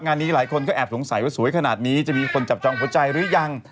งานนี้หลายคนก็แอบสงสัยว่าสวยขนาดนี้จะมีคนจับจองหัวใจหรือยัง